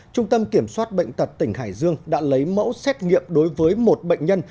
trung tâm kiểm soát bệnh tật tỉnh hải dương đã lấy mẫu xét nghiệm đối với một bệnh nhân